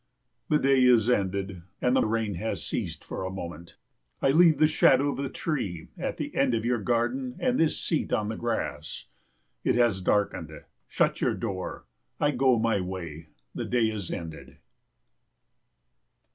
The day is ended, and the rain has ceased for a moment. I leave the shadow of the tree at the end of your garden and this seat on the grass. It has darkened; shut your door; I go my way. The day is ended.